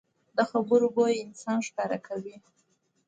د خبرو بویه انسان ښکاره کوي